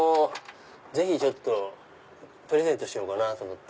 ぜひちょっとプレゼントしようかなと思って。